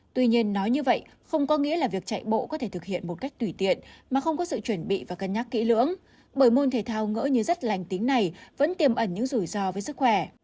tuy nhiên nói như vậy không có nghĩa là việc chạy bộ có thể thực hiện một cách tùy tiện mà không có sự chuẩn bị và cân nhắc kỹ lưỡng bởi môn thể thao ngỡ như rất lành tính này vẫn tiềm ẩn những rủi ro với sức khỏe